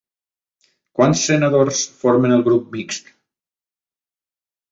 Quants senadors formen el grup mixt?